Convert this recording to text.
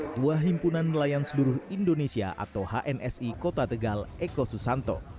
tua himpunan nelayan seluruh indonesia atau hnsi kota tegal eko susanto